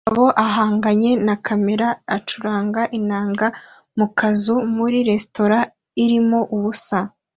Umugabo uhanganye na kamera acuranga inanga mu kazu muri resitora irimo ubusa